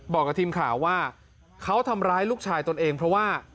บอกกับทีมข่าวว่าเขาทำร้ายลูกชายตนเองเพราะว่า